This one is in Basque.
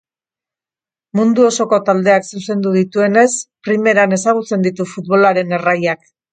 Mundu osoko taldeak zuzendu dituenez, primeran ezagutzen ditu futbolaren erraiak.